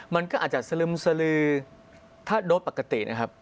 มันก็อาจจะสลึมสลือถ้าโดสปกตินะครับ